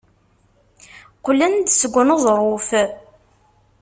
Qqlen-d seg uneẓruf.